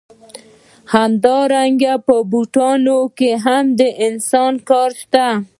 همدارنګه په بوټانو کې هم د انسان کار شته